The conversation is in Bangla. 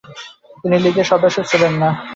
তিনি লীগের সদস্য ছিলেন না।